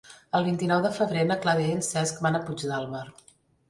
El vint-i-nou de febrer na Clàudia i en Cesc van a Puigdàlber.